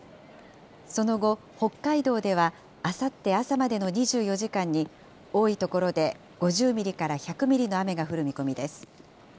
その後、北海道ではあさって朝までの２４時間に、多い所で５０ミリから１００ミリの雨が降る見込みです。